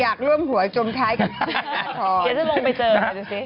อยากร่วมหัวจนท้ายคุณธนาธรณ์